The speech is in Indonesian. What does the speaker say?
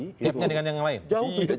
setidaknya dengan yang lain